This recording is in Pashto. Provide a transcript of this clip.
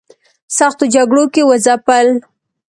سختو جګړو کې وځپل.